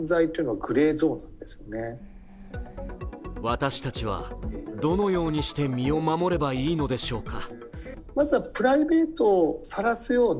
私たちはどのようにして身を守ればいいのでしょうか。